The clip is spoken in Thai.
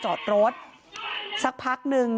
กลุ่มวัยรุ่นฝั่งพระแดง